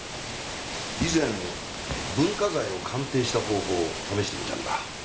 以前文化財を鑑定した方法を試してみたんだ。